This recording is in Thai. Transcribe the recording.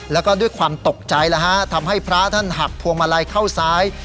แล้วก็ด้วยความตกใจแล้วฮะทำให้พระท่านหักพวงมาลัยเข้าซ้าย